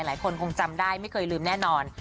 หลายคนคงจำได้ไม่เคยลืมแน่นอน